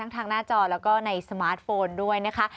ทางหน้าจอแล้วก็ในสมาร์ทโฟนด้วยนะคะ